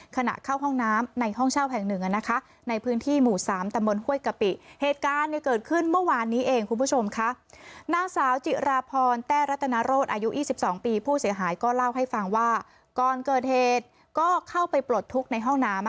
ขณะเข้าห้องน้ำในห้องเช่าแห่งหนึ่งในพื้นที่หมู่๓ตำรวจห้วยกะปิ